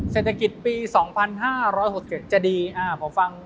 เศรษฐกิจปี๒๕๐๐ศุษฐกิจจะดีผมฟัง